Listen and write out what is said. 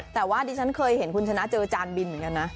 แต่ว่าดิฉันเคยเห็นคุณชนะเจออาจารย์บินเหมือนกันนะ